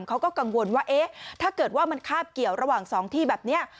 เขาก็กังวลว่าเอ๊ะถ้าเกิดว่ามันคาบเกี่ยวระหว่างสองที่แบบนี้